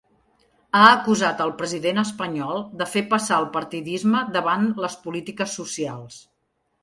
Ha acusat el president espanyol de fer passar el partidisme davant les polítiques socials.